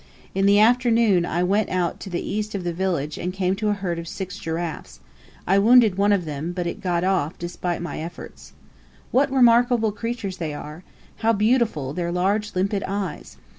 In the afternoon I went out to the east of the village, and came to a herd of six giraffes. I wounded one of them, but it got off, despite my efforts. What remarkable creatures they are! How beautiful their large limpid eyes!